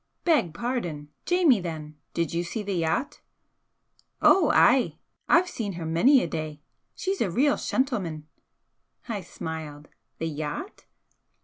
"Beg pardon! Jamie, then! Did you see the yacht?" "Ou ay! I've seen her mony a day. She's a real shentleman." I smiled. "The yacht?"